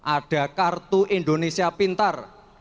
ada kartu indonesia pintar